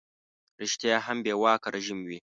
ریشتیا هم بې واکه رژیم وي.